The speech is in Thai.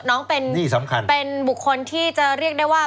น้องเป็นบุคคลที่จะเรียกได้ว่า